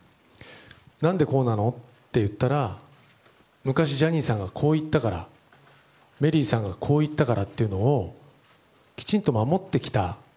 何でこうなの？って言ったら昔ジャニーさんがこう言ったからメリーさんがこう言ったからっていうのをきちんと守ってきた